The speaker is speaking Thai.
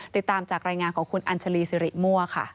ติดตามจากรายงานของคุณอัญชาลีสิริมั่วค่ะ